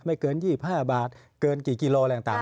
เกิน๒๕บาทเกินกี่กิโลอะไรต่าง